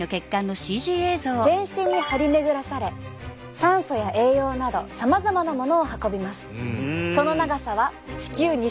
全身に張り巡らされ酸素や栄養などさまざまなものを運びます。